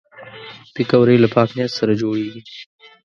پکورې له پاک نیت سره جوړېږي